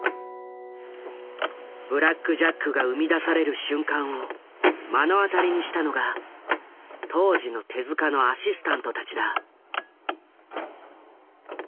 「ブラック・ジャック」が生み出される瞬間を目の当たりにしたのが当時の手のアシスタントたちだ。